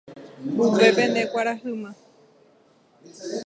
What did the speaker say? upépe ndekuarahýma.